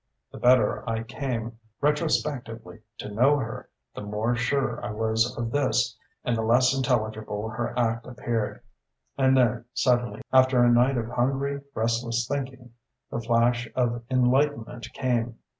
The better I came, retrospectively, to know her, the more sure I was of this, and the less intelligible her act appeared. And then, suddenly, after a night of hungry restless thinking, the flash of enlightenment came.